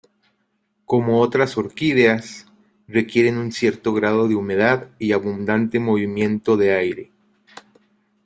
Como otras orquídeas, requieren un cierto grado de humedad y abundante movimiento de aire.